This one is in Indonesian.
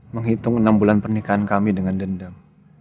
menghitung enam bulan pernikahan kami dengan dendam